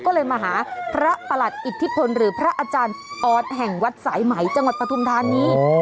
ก็เลยมาหาพระประหลัดอิทธิพลหรือพระอาจารย์ออสแห่งวัดสายไหมจังหวัดปฐุมธานี